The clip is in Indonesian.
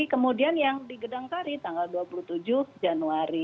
kemudian yang digedangkari tanggal dua puluh tujuh januari